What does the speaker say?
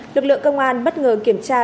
lực lượng công an bất ngờ kiểm tra